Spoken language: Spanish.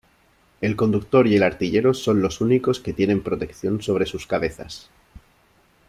El conductor y el artillero son los únicos que tienen protección sobre sus cabezas.